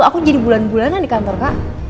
aku jadi bulan bulanan di kantor kak